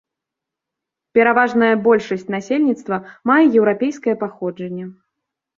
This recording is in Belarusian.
Пераважная большасць насельніцтва мае еўрапейскае паходжанне.